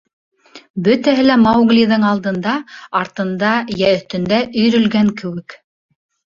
Бөтәһе лә Мауглиҙың алдында, артында йә өҫтөндә өйрөлгән кеүек.